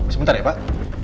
sebentar ya pak